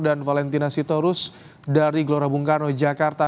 dan valentina sitorus dari glorabungkano jakarta